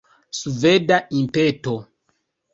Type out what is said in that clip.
Sveda impeto!